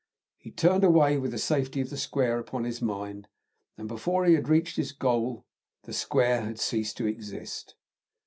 He turned away with the safety of the square upon his mind, and before he had reached his goal the square had ceased to exist.